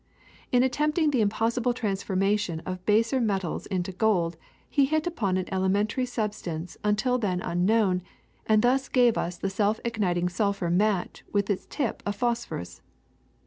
In attempting the impossible transformation of baser metals into gold, he hit upon an elementary substance until then unknown, and thus gave us the self igniting sulphur match with its tip of phos phorus.